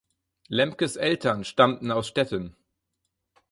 Lemkes Eltern stammten aus Stettin.